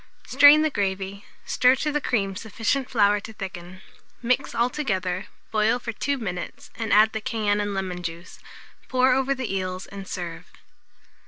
Strain the gravy, stir to the cream sufficient flour to thicken; mix altogether, boil for 2 minutes, and add the cayenne and lemon juice; pour over the eels and serve.